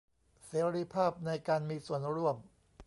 เสรีภาพในการมีส่วนร่วม